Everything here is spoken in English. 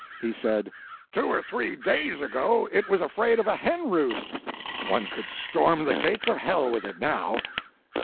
He said: "Two or three days ago it was afraid of a hen roost; one could storm the gates of hell with it now."